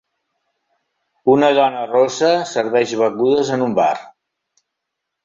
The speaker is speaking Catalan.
Una dona rossa serveix begudes en un bar.